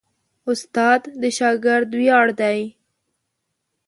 استاد د شاګرد ویاړ دی.